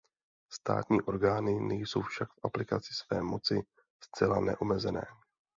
Státní orgány nejsou však v aplikaci své moci zcela neomezené.